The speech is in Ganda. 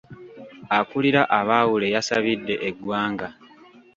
Akulira abaawule yasabidde eggwanga.